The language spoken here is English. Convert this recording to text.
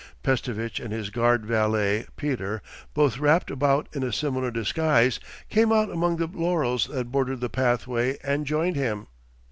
Pestovitch and his guard valet Peter, both wrapped about in a similar disguise, came out among the laurels that bordered the pathway and joined him.